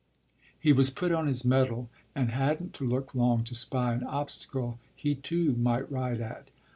He was put on his mettle and hadn't to look long to spy an obstacle he too might ride at.